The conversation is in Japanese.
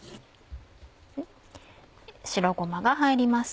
白ごまが入ります。